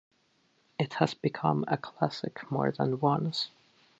It has become a classic more than once.